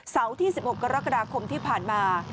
ที่๑๖กรกฎาคมที่ผ่านมา